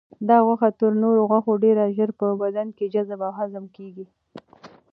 دا غوښه تر نورو غوښو ډېر ژر په بدن کې جذب او هضم کیږي.